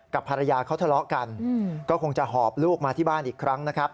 กับภรรยาเขาทะเลาะกันก็คงจะหอบลูกมาที่บ้านอีกครั้งนะครับ